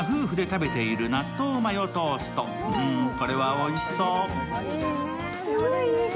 うん、これはおいしそう。